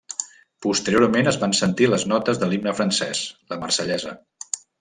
Posteriorment es van sentir les notes de l’himne francès, La Marsellesa.